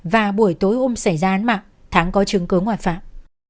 và buổi tối hôm xảy ra án mạng tháng có chứng cứ ngoại phạm